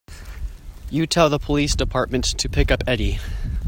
You tell the police department to pick up Eddie.